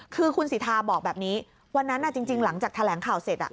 คือคุณสิทธาบอกแบบนี้วันนั้นจริงหลังจากแถลงข่าวเสร็จ